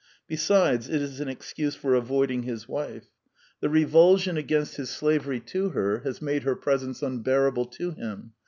Be sides, it is an excuse for avoiding his wife. The The Last Four Plays 153 revulsion against his slavery to her has made her presence unbearable to him.